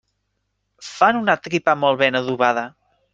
Fan una tripa molt ben adobada.